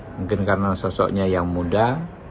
mungkin karena sosoknya yang muda